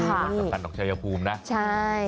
มันสำคัญของเจ้าเยอะภูมินะ